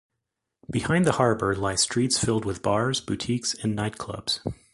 Behind the harbour lie streets filled with bars, boutiques and nightclubs.